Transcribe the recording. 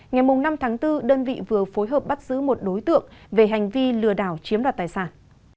ngày năm tháng bốn đơn vị vừa phối hợp bắt giữ một đối tượng về hành vi lừa đảo chiếm đoạt tài sản